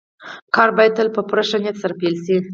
کار بايد تل په پوره ښه نيت سره پيل شي.